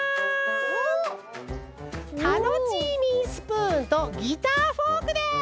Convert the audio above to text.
タノチーミースプーンとギターフォークです！